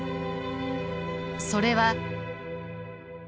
それは。